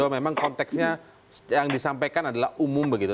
memang konteksnya yang disampaikan adalah umum begitu